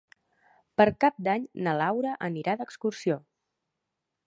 Per Cap d'Any na Laura anirà d'excursió.